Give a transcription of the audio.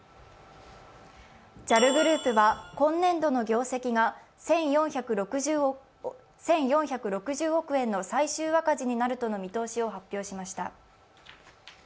ＪＡＬグループは今年度の業績が１４６０億円の最終赤字になるとの見通しを発表しました。